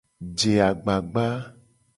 Je agbagba.